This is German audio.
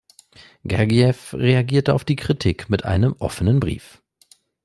Gergijew reagierte auf die Kritik mit einem offenen Brief.